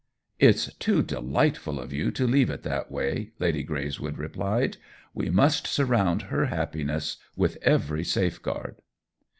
" It's too delightful of you to leave it that way," Lady Greyswood replied. " We must surround her happiness with every safeguard."